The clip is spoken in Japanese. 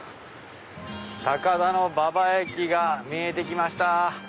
高田馬場駅が見えて来ました。